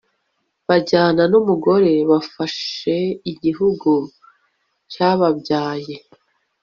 Bajyana numugore bafashe igihugu cyababyaye